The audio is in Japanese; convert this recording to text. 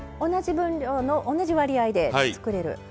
同じ分量の同じ割合で作れる。